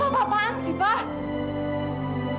apa apaan sih pak